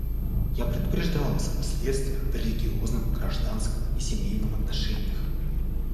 Я предупреждал вас о последствиях в религиозном, гражданском и семейном отношениях.